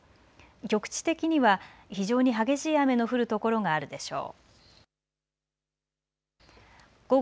局地的には非常に激しい雨の降る所があるでしょう。